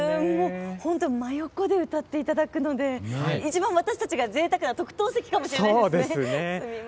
本当、真横で歌っていただくので一番、私たちがぜいたくな特等席かもしれません。